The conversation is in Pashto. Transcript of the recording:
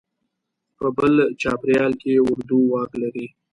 په بل چاپېریال کې اردو واک لري.